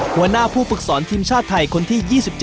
หัวหน้าผู้ฝึกสอนทีมชาติไทยคนที่๒๗